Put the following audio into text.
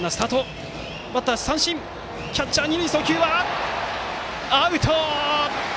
キャッチャー、二塁送球はアウト。